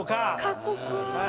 過酷